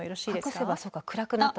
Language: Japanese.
隠せばそうか暗くなったと。